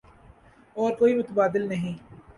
اور کوئی متبادل نہیں۔